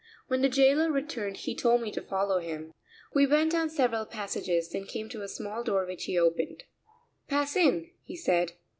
When the jailer returned he told me to follow him. We went down several passages, then came to a small door which he opened. "Pass in," he said.